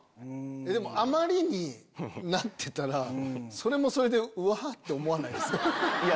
でもあまりになってたらそれもそれでうわぁって思わないですか？